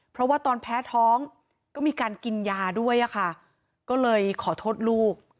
เพราะว่าตอนแพ้ท้องก็มีการกินยาด้วยค่ะก็เลยขอโทษลูก